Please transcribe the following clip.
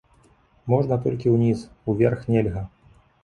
Можна толькі ўніз, уверх нельга.